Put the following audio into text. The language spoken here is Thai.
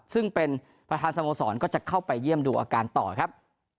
ซึ่งเป็นประธานสโมสรก็จะเข้าไปเยี่ยมดูอาการต่อครับ